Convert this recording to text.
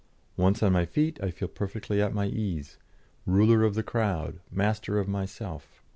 Once on my feet, I feel perfectly at my ease, ruler of the crowd, master of myself.